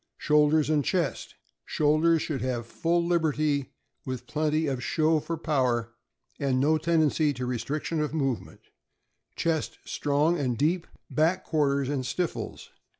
Shoulders and chest. — Shoulders should have full lib erty, with plenty of show for power and no tendency to restriction of movement; chest strong and deep. Back quarters and stifles.